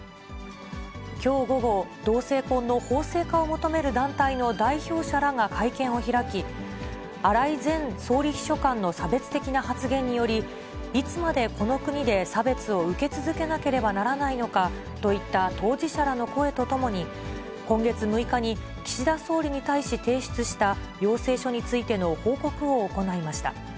きょう午後、同性婚の法制化を求める団体の代表者らが会見を開き、荒井前総理秘書官の差別的な発言により、いつまでこの国で差別を受け続けなければならないのかといった当事者らの声とともに、今月６日に岸田総理に対し提出した要請書についての報告を行いました。